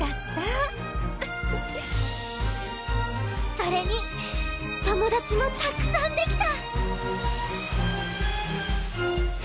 それに友達もたくさんできた！